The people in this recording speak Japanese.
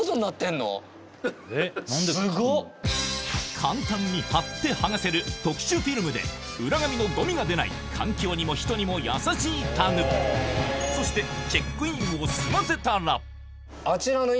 簡単に貼ってはがせる特殊フィルムで裏紙のゴミが出ない環境にも人にも優しいタグそしてってか。